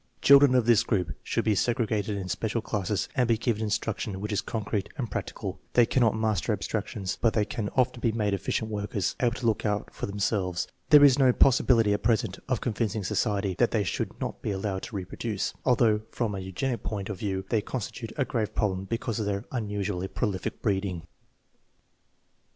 Children of this group should be segregated in special classes and be given instruction which is concrete and prac tical. They cannot master abstractions, but they can often be made efficient workers, able to look out for themselves. There is no possibility at present of convincing society that they should not be allowed to reproduce, although from a eugenic point of view they constitute a grave prob lem because of their unusually prolific breeding.